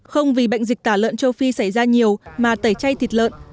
không vì bệnh dịch tả lợn châu phi xảy ra nhiều mà tẩy chay thịt lợn